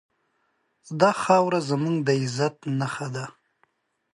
دا خاوره زموږ د عزت نښه ده.